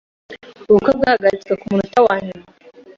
Ubukwe bwahagaritswe kumunota wanyuma.